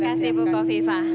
terima kasih bu kofifa